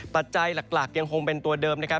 ปัจจัยหลักยังคงเป็นตัวเดิมนะครับ